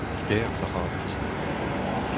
Berzh a ra an istor.